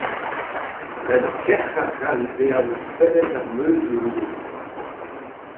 Brenn kerc'h a c'hall bezañ ouzhpennet d'ar meuzioù ivez.